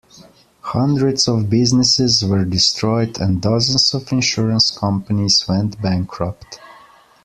Hundreds of businesses were destroyed, and dozens of insurance companies went bankrupt.